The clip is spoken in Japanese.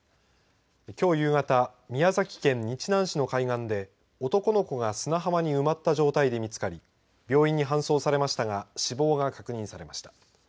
きょう夕方宮崎県日南市の海岸で男の子が砂浜に埋まった状態で見つかり病院に搬送されましたが死亡が確認されました。